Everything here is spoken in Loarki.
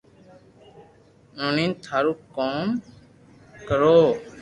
ھونن ٿارو ڪاو ڪرو